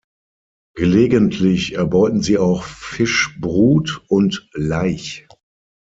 Gelegentlich erbeuten sie auch Fischbrut und -laich.